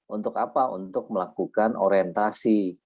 untuk apa untuk melakukan orientasi